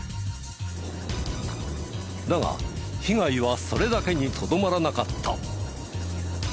だが被害はそれだけにとどまらなかった。